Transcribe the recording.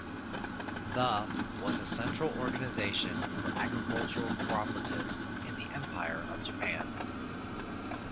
The was a central organization for agricultural cooperatives in the Empire of Japan.